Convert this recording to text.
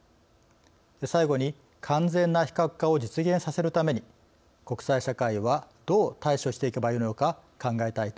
最後に完全な非核化を実現させるために国際社会はどう対処していけばよいのか考えたいと思います。